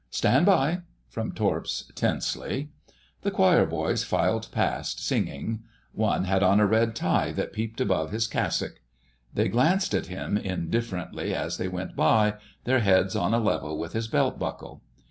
"Stand by," from Torps, tensely. The choir boys filed past, singing; one had on a red tie that peeped above his cassock. They glanced at him indifferently as they went by, their heads on a level with his belt buckle....